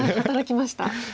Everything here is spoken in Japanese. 働きました。